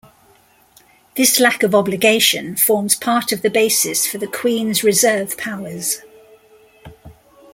This lack of obligation forms part of the basis for the Queen's reserve powers.